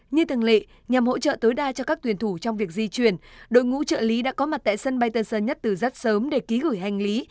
như thường lệ nhằm hỗ trợ tối đa cho các tuyển thủ trong việc di chuyển đội ngũ trợ lý đã có mặt tại sân bay tân sơn nhất từ rất sớm để ký gửi hành lý